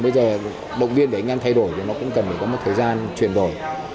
bây giờ động viên để anh em thay đổi thì nó cũng cần phải có một thời gian chuyển đổi